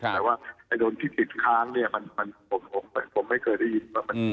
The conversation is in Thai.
แต่ว่าจะโดนพิธีก็ค้างนี้ผมไม่เคยได้ยิน